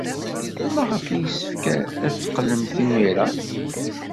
Maɣef ay yessefk ad teqqlemt imir-a?